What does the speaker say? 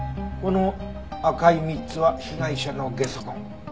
この赤い３つは被害者のゲソ痕。